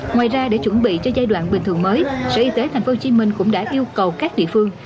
ngoài ra để chuẩn bị cho giai đoạn bình thường mới sở y tế tp hcm cũng đã yêu cầu các địa phương